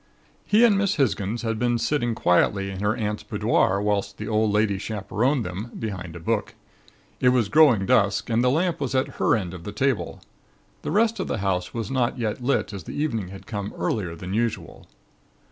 "He and Miss Hisgins had been sitting quietly in her aunt's boudoir whilst the old lady chaperoned them, behind a book. It was growing dusk and the lamp was at her end of the table. The rest of the house was not yet lit as the evening had come earlier than usual.